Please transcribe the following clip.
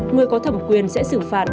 người có thẩm quyền sẽ xử phạt